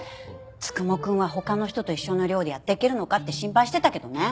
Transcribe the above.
九十九くんは「他の人と一緒の寮でやっていけるのか？」って心配してたけどね。